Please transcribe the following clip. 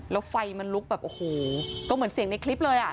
แล้วไฟมันลุกแบบโอ้โหก็เหมือนเสียงในคลิปเลยอ่ะ